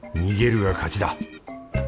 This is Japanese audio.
逃げるが勝ちだ！